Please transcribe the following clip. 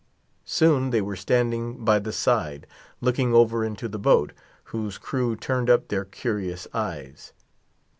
Soon they were standing by the side, looking over into the boat, whose crew turned up their curious eyes.